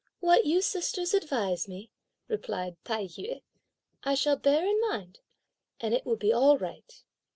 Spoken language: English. "What you sisters advise me," replied Tai yü, "I shall bear in mind, and it will be all right."